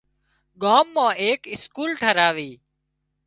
ڳام ايڪ اسڪول ٺاهراوي